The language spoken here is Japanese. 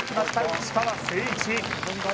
内川聖一